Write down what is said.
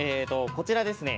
こちらですね